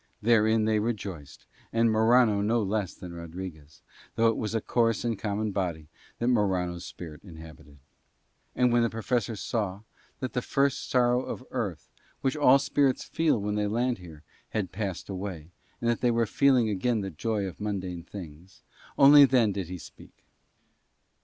Therein they rejoiced, and Morano no less than Rodriguez; though it was a coarse and common body that Morano's spirit inhabited. And when the Professor saw that the first sorrow of Earth, which all spirits feel when they land here, had passed away, and that they were feeling again the joy of mundane things, only then did he speak.